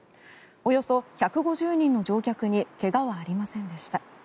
およそ１５０人の乗客に怪我はありませんでした。